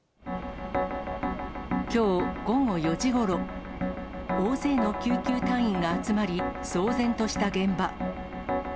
きょう午後４時ごろ、大勢の救急隊員が集まり、騒然とした現場。